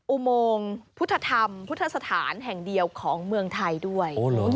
อุโมงพุทธธรรมพุทธศาสตร์แห่งเดียวของเมืองไทยด้วยโอ้โหเหรอ